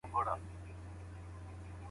تاسي به کړېږئ .